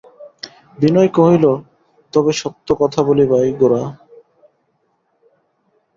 বিনয় কহিল, তবে সত্য কথা বলি ভাই গোরা।